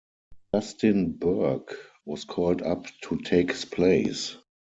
Justin Berg was called up to take his place.